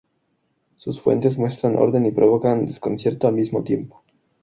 Sus fuentes muestran orden y provocan desconcierto al mismo tiempo.